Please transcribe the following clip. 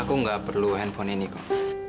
aku nggak perlu handphone ini kok